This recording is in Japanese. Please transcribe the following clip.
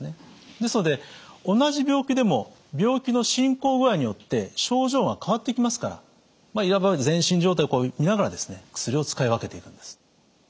ですので同じ病気でも病気の進行具合によって症状が変わってきますからいわば全身状態を見ながら薬を使い分けていくんです。